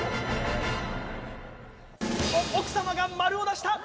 奥様が○を出した。